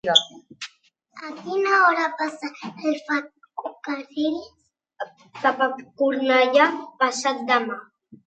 A quina hora passa el ferrocarril cap a Cornellà passat demà?